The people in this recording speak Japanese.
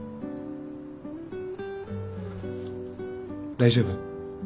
大丈夫？